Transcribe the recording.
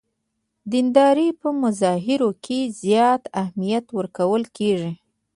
دیندارۍ په مظاهرو کې زیات اهمیت ورکول کېږي.